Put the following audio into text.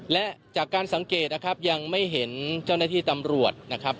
และจากการสังเกตนะครับยังไม่เห็นเจ้าหน้าที่ตำรวจนะครับ